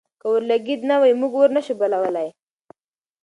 که اورلګیت نه وي، موږ اور نه شو بلولی.